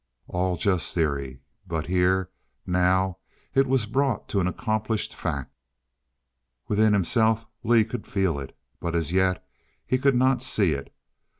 All just theory, but here, now, it was brought to an accomplished fact. Within himself, Lee could feel it. But as yet, he could not see it.